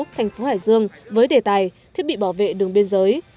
thành phố hải dương với đề tài thiết bị bảo vệ đường biên giới